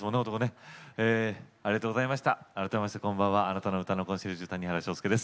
改めましてこんばんはあなたの歌のコンシェルジュ谷原章介です。